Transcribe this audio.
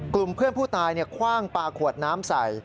กลุ่มเพื่อนผู้ตายคว่างปลาขวดน้ำใส่